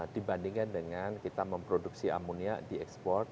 dibandingkan dengan kita memproduksi amonia di ekspor